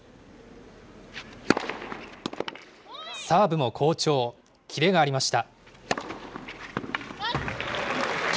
サーブも好調、キレがありました。